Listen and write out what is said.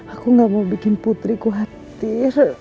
aku gak mau bikin putri kuatir